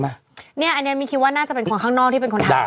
ไหมเนี้ยอันเนี้ยมีคิดว่าน่าจะเป็นคนข้างนอกที่เป็นคนทาง